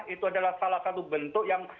itu adalah salah satu bentuk yang